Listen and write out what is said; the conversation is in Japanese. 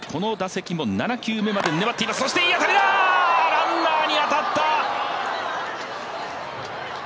ランナーに当たった。